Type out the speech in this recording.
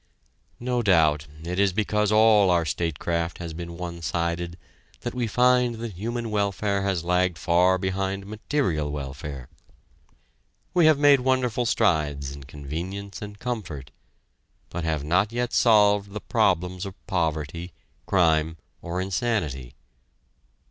No doubt, it is because all our statecraft has been one sided, that we find that human welfare has lagged far behind material welfare. We have made wonderful strides in convenience and comfort, but have not yet solved the problems of poverty, crime or insanity.